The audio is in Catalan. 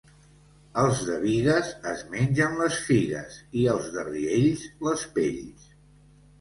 Els de Bigues es mengen les figues i els de Riells, les pells.